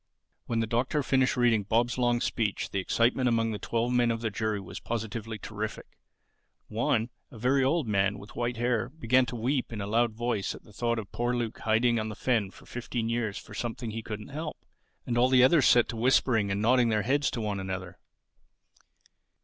When the Doctor finished reading Bob's long speech the excitement among the twelve men of the jury was positively terrific. One, a very old man with white hair, began to weep in a loud voice at the thought of poor Luke hiding on the fen for fifteen years for something he couldn't help. And all the others set to whispering and nodding their heads to one another.